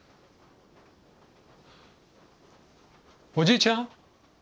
おじいちゃん？